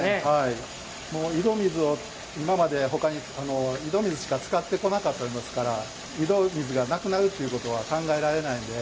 井戸水を今まで井戸水しか使ってこなかったですから井戸水がなくなるということは考えられないので。